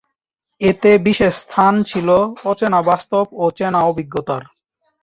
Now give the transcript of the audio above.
এতে বিশেষ স্থান ছিল অচেনা বাস্তব ও চেনা অভিজ্ঞতার।